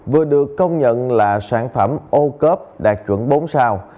vừa được công nhận là sản phẩm ô cớp đạt chuẩn bốn sao